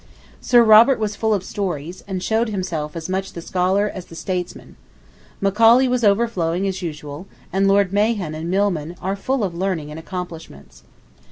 Sir Robert was full of stories, and showed himself as much the scholar as the statesman. Macaulay was overflowing as usual, and Lord Mahon and Milman are full of learning and accomplishments.